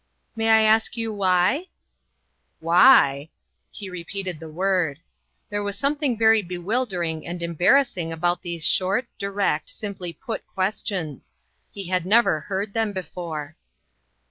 " May I ask you why ?"" Why !" He repeated the word. There was something very bewildering and embar rassing about these short, direct, simply put questions. He had never heard them before.